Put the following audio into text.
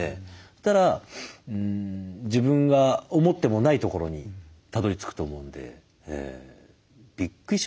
そしたら自分が思ってもないところにたどり着くと思うんで。